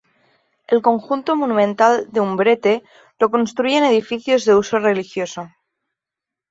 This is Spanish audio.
El conjunto monumental de Umbrete lo constituyen edificios de uso religioso.